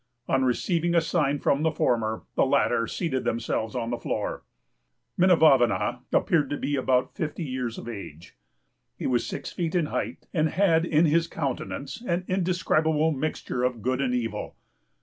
On receiving a sign from the former, the latter seated themselves on the floor. "Minavavana appeared to be about fifty years of age. He was six feet in height, and had in his countenance an indescribable mixture of good and evil.